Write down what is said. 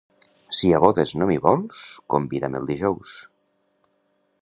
Si a bodes no m'hi vols, convida'm el dijous.